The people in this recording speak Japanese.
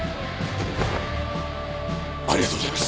ありがとうございます！